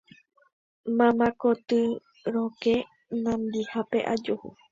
mamá koty rokẽ nandihápe ajuhu